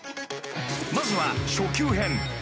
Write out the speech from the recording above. ［まずは初級編］